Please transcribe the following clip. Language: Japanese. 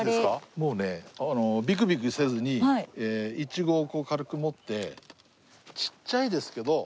もうねビクビクせずにイチゴをこう軽く持ってちっちゃいですけど。